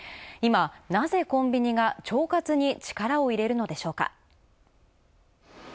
今なぜコンビニが腸活に力を入れるのでしょうか。